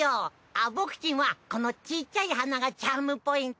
あっ僕ちんはこのちっちゃい鼻がチャームポイント。